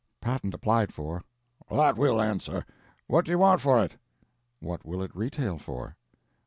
"Patent applied for." "That will answer. What do you want for it?" "What will it retail for?"